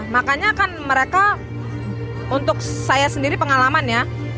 makanya kan mereka untuk saya sendiri pengalaman ya